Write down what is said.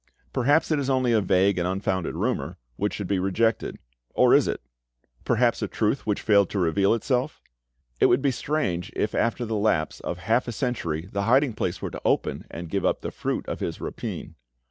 Perhaps it is only a vague and unfounded rumour, which should be rejected; or is it; perhaps, a truth which failed to reveal itself? It would be strange if after the lapse of half a century the hiding place were to open and give up the fruit of his rapine.